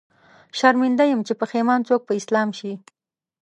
شرمنده يم، چې پښېمان څوک په اسلام شي